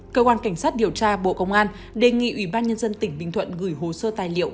cơ quan cảnh sát điều tra bộ công an đề nghị ủy ban nhân dân tỉnh bình thuận gửi hồ sơ tài liệu